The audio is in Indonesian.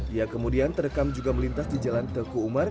ia kemudian terekam juga melintas di jalan teguh umar